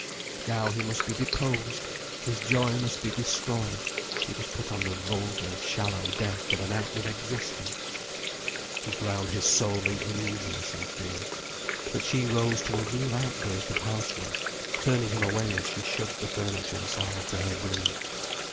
Now he must be deposed, his joy must be destroyed, he must put on the vulgar, shallow death of an outward existence. He ground his soul in uneasiness and fear. But she rose to a real outburst of house work, turning him away as she shoved the furniture aside to her broom.